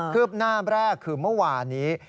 ืบหน้าแรกคือเมื่อวานี้